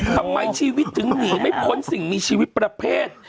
ทำไมชีวิตถึงหนีไม่พ้นสิ่งมีชีวิตประเภท